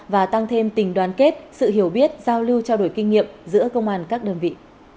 và tăng thêm tình đoàn kết sự hiểu biết giao lưu trao đổi kinh nghiệm giữa công an các đơn vị